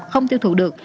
không tiêu thụ được